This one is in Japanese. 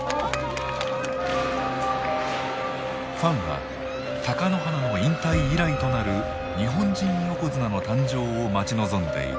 ファンは貴乃花の引退以来となる日本人横綱の誕生を待ち望んでいた。